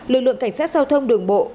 lực lượng cảnh sát giao thông đường bộ